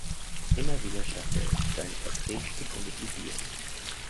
Immer wieder schafft er es, seine Porträts zu politisieren.